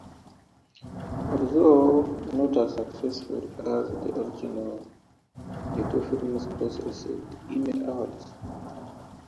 Although not as successful as the original, the two films both received Emmy Awards.